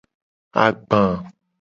Agba.